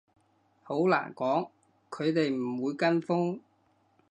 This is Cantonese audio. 好難講，佢哋唔會跟風